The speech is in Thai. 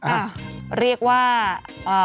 อ่ะเรียกว่าอ่า